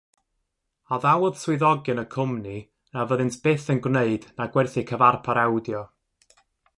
Addawodd swyddogion y cwmni na fyddent byth yn gwneud na gwerthu cyfarpar awdio.